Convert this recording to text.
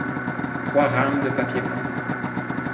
trois rames de papier blanc.